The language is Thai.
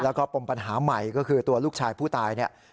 แล้วก็ปมปัญหาใหม่ก็คือตัวลูกชายผู้ตายเนี่ย